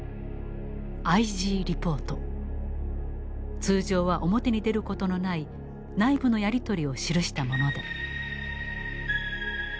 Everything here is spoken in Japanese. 通常は表に出ることのない内部のやり取りを記したものだ。